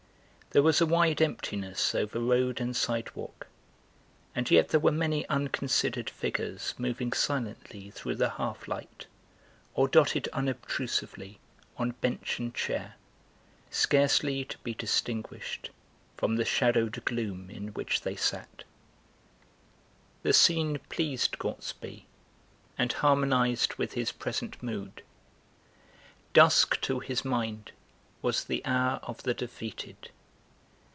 There was a wide emptiness over road and sidewalk, and yet there were many unconsidered figures moving silently through the half light, or dotted unobtrusively on bench and chair, scarcely to be distinguished from the shadowed gloom in which they sat. The scene pleased Gortsby and harmonised with his present mood. Dusk, to his mind, was the hour of the defeated.